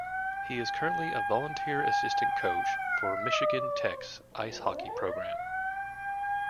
He is currently a volunteer assistant coach for Michigan Tech's ice hockey program.